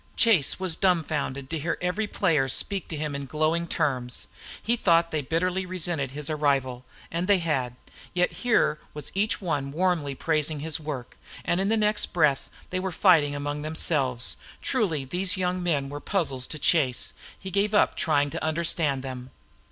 Chase was dumfounded to hear every player speak to him in glowing terms. He thought they had bitterly resented his arrival, and they had; yet here was each one warmly praising his work. And in the next breath they were fighting among themselves. Truly these young men were puzzles to Chase. He gave up trying to understand them.